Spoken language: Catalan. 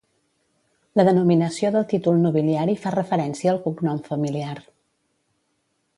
La denominació del títol nobiliari fa referència al cognom familiar.